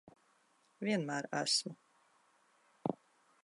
Vienmēr esmu.